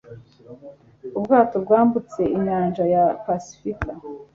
ubwato bwambutse inyanja ya pasifika